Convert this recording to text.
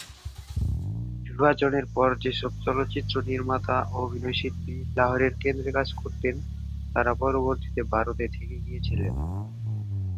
বিভাজনের পর যেসব চলচ্চিত্র নির্মাতা ও অভিনয়শিল্পী লাহোরের কেন্দ্রে কাজ করতেন তারা পরবর্তীতে ভারতে থেকে গিয়েছিলেন।